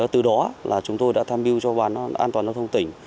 từ đó là chúng tôi đã tham biêu cho bàn an toàn giao thông tỉnh